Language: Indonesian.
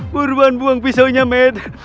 buruan buang pisaunya med